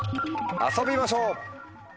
遊びましょう。